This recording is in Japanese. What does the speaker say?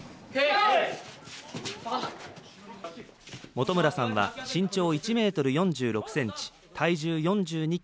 元村さんは、身長１ｍ４６ｃｍ体重４２ｋｇと小柄です。